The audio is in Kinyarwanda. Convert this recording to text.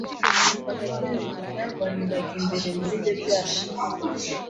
Numvaga bya bintu byarwaniraga imbere muri jye byashize.